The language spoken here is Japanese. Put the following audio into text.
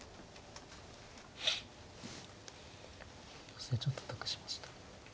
そうですねちょっと得しました。